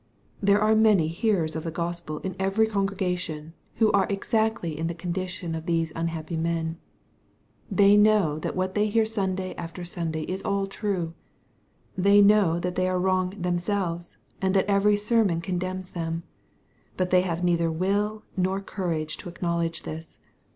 j There are many hearers of the Gospel in every con gregation, who are exactly in the condition of these unhappy men. They know that what they hear Sunday after Sunday is all true. They know that they are wrong themselves, and that every sermon condemns them. But they have neither will nor courage to ac knowledge this.